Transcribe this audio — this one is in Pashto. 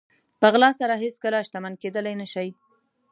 په غلا سره هېڅکله شتمن کېدلی نه شئ.